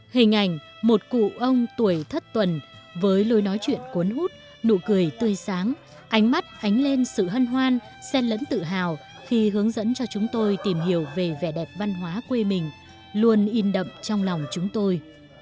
hình ảnh một cụ ông tuổi thất tuần với lối nói chuyện cuốn hút nụ cười tươi sáng ánh mắt ánh lên sự hân hoan sen lẫn tự hào khi hướng dẫn cho chúng tôi tìm hiểu về vẻ đẹp văn hóa quê mình luôn in đậm trong lòng chúng tôi